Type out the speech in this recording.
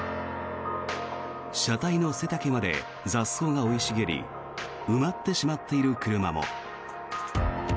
車体の背丈まで雑草が生い茂り埋まってしまっている車も。